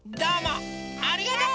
ありがとう！